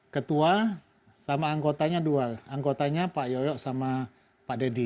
ketua sama anggotanya dua anggotanya pak yoyok sama pak deddy